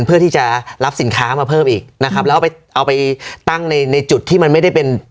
เพื่อที่จะรับสินค้ามาเพิ่มอีกนะครับแล้วไปเอาไปตั้งในในจุดที่มันไม่ได้เป็น